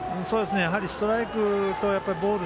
やはりストライクとボール